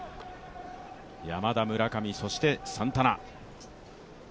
山田、村上、そしてサンタナ。